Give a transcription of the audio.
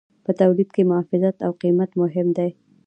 په تولید کې محافظت او قیمت مهم دي.